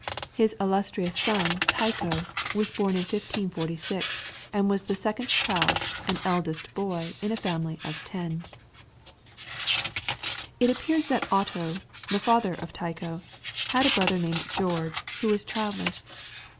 His illustrious son Tycho was born in 1546, and was the second child and eldest boy in a family of ten. It appears that Otto, the father of Tycho, had a brother named George, who was childless.